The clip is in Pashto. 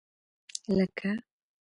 لکه.